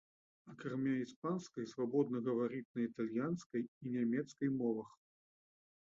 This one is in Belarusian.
Акрамя іспанскай, свабодна гаворыць на італьянскай і нямецкай мовах.